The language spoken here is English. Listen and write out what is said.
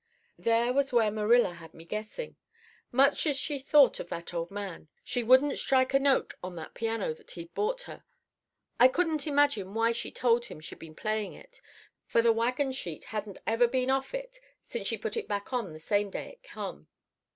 "There was where Marilla had me guessing. Much as she thought of that old man, she wouldn't strike a note on that piano that he'd bought her. I couldn't imagine why she told him she'd been playing it, for the wagon sheet hadn't ever been off of it since she put it back on the same day it come.